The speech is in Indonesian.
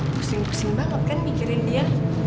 pusing pusing banget kan mikirin dia